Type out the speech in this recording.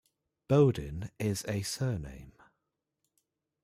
Bodin is a surname.